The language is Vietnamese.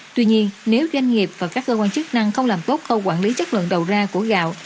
tuy nhiên nếu doanh nghiệp và các cơ quan chức năng không làm tốt khâu quản lý chất lượng đầu ra của gạo